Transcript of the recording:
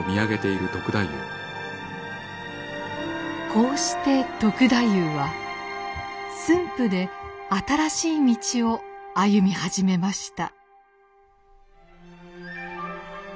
こうして篤太夫は駿府で新しい道を歩み始めました。